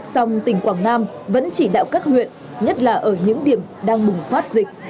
song tỉnh quảng nam vẫn chỉ đạo các huyện nhất là ở những điểm đang bùng phát dịch